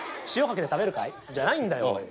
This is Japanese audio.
「塩かけて食べるかい？」じゃないんだよ。